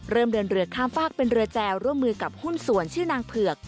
เดินเรือข้ามฝากเป็นเรือแจวร่วมมือกับหุ้นส่วนชื่อนางเผือก